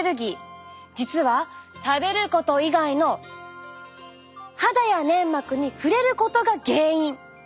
実は食べること以外の肌や粘膜に触れることが原因。